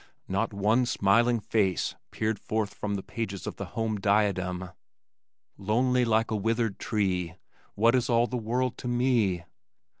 Not one smiling face peered forth from the pages of The Home Diadem. Lonely like a withered tree, What is all the world to me?